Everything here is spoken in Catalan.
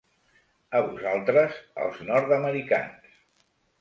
A vosaltres, els nord-americans.